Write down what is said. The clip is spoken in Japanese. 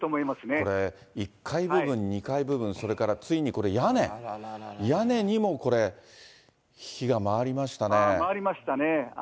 これ、１階部分、２階部分、ついにこれ、屋根、屋根にもこれ、回りましたね。